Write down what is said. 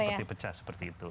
seperti pecah seperti itu